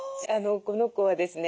この子はですね